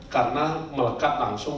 karena melekat langsung